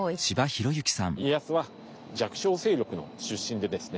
家康は弱小勢力の出身でですね。